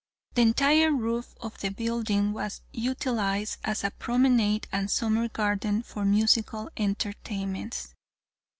The entire roof of the building was utilized as a promenade and summer garden for musical entertainments.